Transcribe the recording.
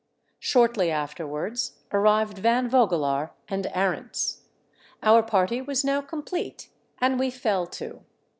Shortly afterwards arrived Van Vogelaar and Arents. Our party was now complete, and we fell to.